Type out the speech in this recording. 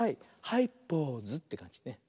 「はいポーズ」ってかんじね。